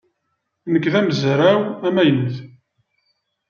Nekk d amezraw amaynut.